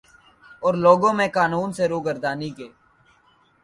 اور لوگوں میں قانون سے روگردانی کے